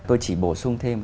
tôi chỉ bổ sung thêm